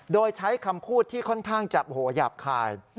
โดยใช้คำพูดที่ค่อนข้างจะหยาบคาย